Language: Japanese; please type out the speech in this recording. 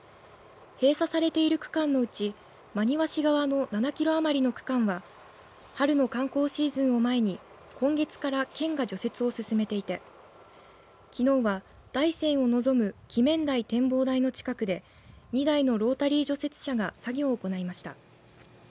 閉鎖されている区間のうち真庭市側の７キロ余りの区間は春の観光シーズンを前に今月から県が除雪を進めていてきのうは大山を望む鬼女台展望台の近くで２台のロータリー除雪車が作業を行いました。